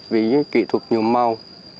với những kỹ thuật nhiều màu